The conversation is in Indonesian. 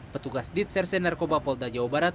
petugas direkturat reserse narkoba polda jawa barat